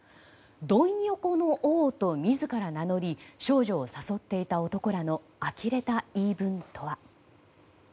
ドン横の王と自ら名乗り少女を誘っていた男らのあきれた言い分とは。